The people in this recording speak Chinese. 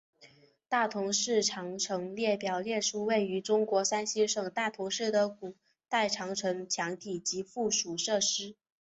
大同市长城列表列出位于中国山西省大同市的古代长城墙体及附属设施。